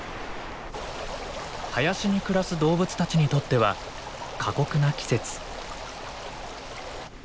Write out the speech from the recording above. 林に暮らす動物たちにとっては過酷な季節。